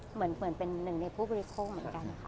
เหมือนเป็นหนึ่งในผู้บริโภคเหมือนกันค่ะ